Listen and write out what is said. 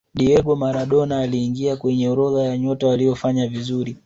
diego maradona aliingia kwenye orodha ya nyota waliofanya vizuri